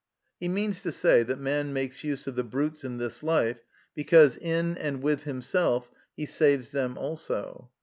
He means to say, that man makes use of the brutes in this life because, in and with himself, he saves them also.